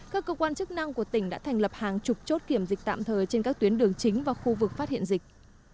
các cơ quan chức năng của tỉnh đã thành lập hàng chục chốt kiểm dịch tạm thời trên các tuyến đường chính và khu vực phát hiện dịch